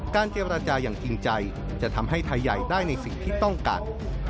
เจรจาอย่างจริงใจจะทำให้ไทยใหญ่ได้ในสิ่งที่ต้องการ